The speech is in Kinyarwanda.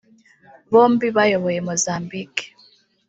bombi bayoboye Mozambique